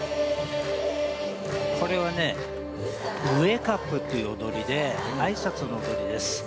これはね、ウエカプという踊りで、あいさつの踊りです。